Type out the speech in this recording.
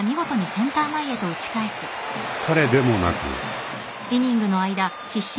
［彼でもなく］